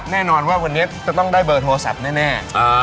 แน่นอนว่าวันนี้จะต้องได้เบอร์โทรศัพท์แน่